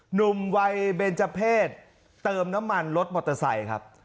หนุ่มวัยเบนเจอร์เพศเติมน้ำมันรถมอเตอร์ไซค์ครับ